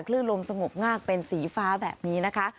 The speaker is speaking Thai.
คลื่นลมสงบงากเป็นสีฟ้าแบบนี้นะคะ